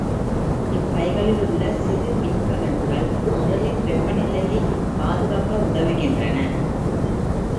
இப்பைகளிலுள்ள சிறு மின்கலங்கள் உடலின் வெப்பநிலையைப் பாதுகாக்க உதவுகின்றன.